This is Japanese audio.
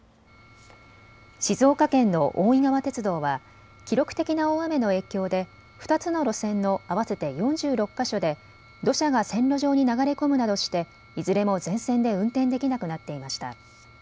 静岡県の大井川鉄道は記録的な大雨の影響で２つの路線の合わせて４６か所で土砂が線路上に流れ込むなどしていずれも全線で運転できなくなっていました。